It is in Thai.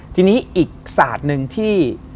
ทีนี้อีกศาสตร์หนึ่งที่